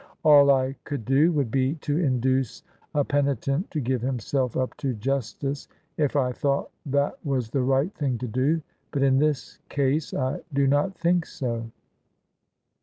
All I could do would be to induce a peni tent to give himself up to justice, if I thought that was the right thing to do : but in this case I do not think so."